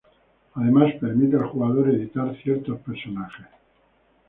Además permite al jugador editar ciertos personajes.